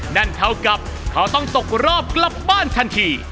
นั่นเท่ากับเขาต้องตกรอบกลับบ้านทันที